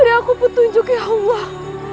dari aku petunjuk ya allah